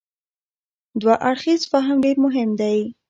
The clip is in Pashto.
دوه اړخیز فهم ډېر مهم دی.